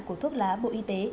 của thuốc lá bộ y tế